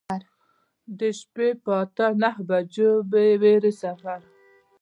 د شپې په اته نهه بجو بې ویرې سفر.